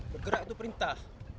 bergerak itu perintah